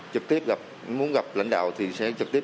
trực tiếp là muốn gặp lãnh đạo thì sẽ trực tiếp